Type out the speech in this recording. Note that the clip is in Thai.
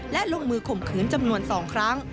และลงมือข่มขืนจำนวน๒ครั้ง